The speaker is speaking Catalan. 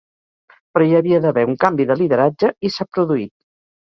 Però hi havia d’haver un canvi de lideratge, i s’ha produït.